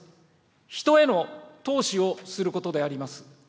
人への投資をすることです。